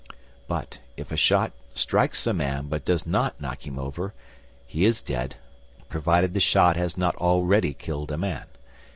But if a shot strikes a man but does not knock him over, he is dead, provided the shot has not already killed a man.